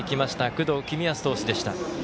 工藤公康投手でした。